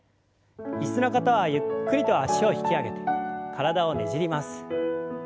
椅子の方はゆっくりと脚を引き上げて体をねじります。